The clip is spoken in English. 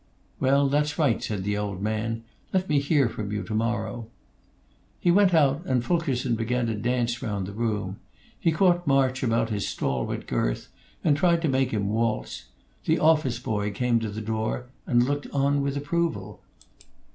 "Well, that's right," said the old man. "Let me hear from you tomorrow." He went out, and Fulkerson began to dance round the room. He caught March about his stalwart girth and tried to make him waltz; the office boy came to the door and looked on with approval.